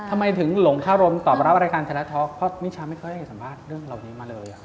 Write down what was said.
ทำไมถึงหลงคารมตอบรับรายการชนะท็อกเพราะมิชาไม่ค่อยได้สัมภาษณ์เรื่องเหล่านี้มาเลย